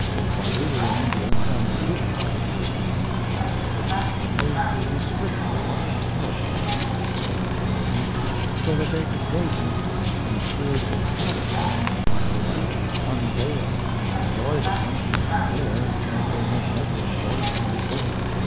While we were in India some good hearted Europeans in one of the cities proposed to restrict a large park to the use of zenana ladies, so that they could go there and in assured privacy go about unveiled and enjoy the sunshine and air as they had never enjoyed them before.